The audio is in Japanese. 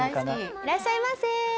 いらっしゃいませ激